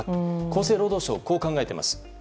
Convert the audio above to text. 厚生労働省はこう考えています。